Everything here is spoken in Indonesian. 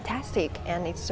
berbicara di sini